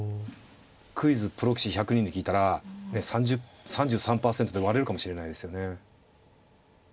クイズプロ棋士１００人に聞いたら３３％で割れるかもしれないですよね。